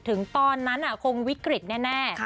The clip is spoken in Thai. ถึงตอนนั้นคงวิกฤตแน่